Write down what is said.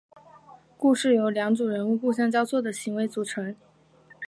故事由两组人物互相交错的行为组成。